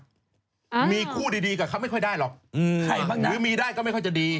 อ้าวเหรอมีคู่ดีกับเขาไม่ค่อยได้หรอกใครบ้างนะหรือมีได้ก็ไม่ค่อยจะดี